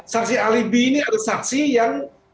saksi alibi ini adalah saksi yang